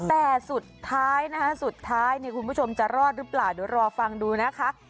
แต่สุดท้ายนะคะสุดท้ายคุณผู้ชมจะรอดหรือเปล่าเดี๋ยวรอฟังดูนะคะ